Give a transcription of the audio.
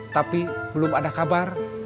tapi belum ada kabar